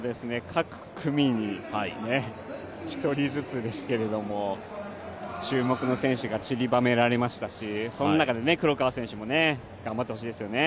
各組に１人ずつですけれども注目の選手がちりばめられましたしその中で黒川選手も頑張ってほしいですよね。